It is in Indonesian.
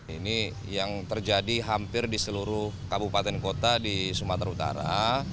ini yang terjadi hampir di seluruh kabupaten kota di sumatera utara